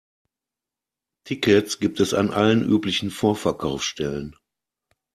Tickets gibt es an allen üblichen Vorverkaufsstellen.